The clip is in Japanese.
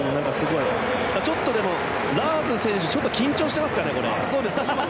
ちょっと、ラーズ選手緊張していますかね？